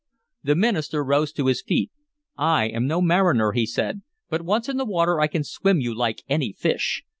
The minister rose to his feet. "I am no mariner," he said, "but once in the water I can swim you like any fish.